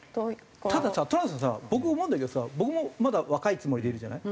たださトラウデンさんさ僕思うんだけどさ僕もまだ若いつもりでいるじゃない。